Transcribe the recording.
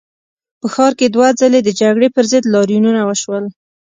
په ښار کې دوه ځلي د جګړې پر ضد لاریونونه وشول.